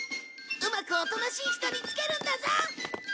うまくおとなしい人につけるんだぞ！